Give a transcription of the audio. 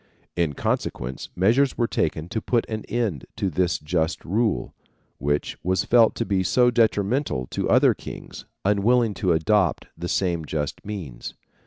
In consequence measures were taken to put an end to this just rule, which was felt to be so detrimental to other kings, unwilling to adopt the same just means.